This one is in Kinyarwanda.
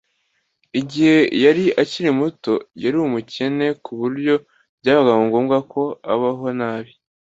Igihe yari akiri muto, yari umukene ku buryo byabaye ngombwa ko abaho nabi